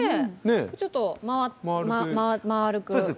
ちょっと丸く。